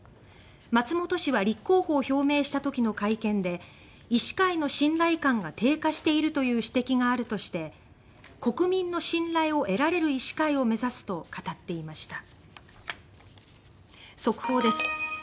松本氏は立候補を表明した時の会見で医師会の信頼感が低下しているという指摘があるとして国民の信頼を得られる医師会を目指すと語っていました。